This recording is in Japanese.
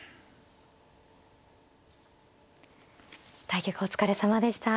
対局お疲れさまでした。